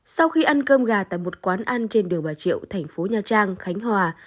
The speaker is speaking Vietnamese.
sau khi ăn cơm gà tại một quán ăn trên đường bà triệu thành phố nha trang khánh hòa